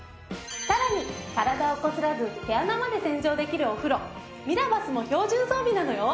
さらに体をこすらず毛穴まで洗浄できるお風呂ミラバスも標準装備なのよ。